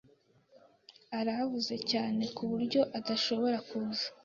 Ken arahuze cyane kuburyo adashobora kuza.